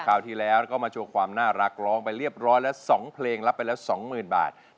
คราวที่แล้วก็มาโชว์ความน่ารักร้องไปเรียบร้อยแล้ว๒เพลงรับไปแล้ว๒๐๐๐บาท